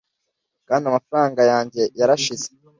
kandi amafaranga yanjye yarashize